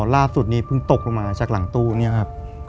ล่าสุดนี้เพิ่งตกลงมาจากหลังตู้เนี่ยครับ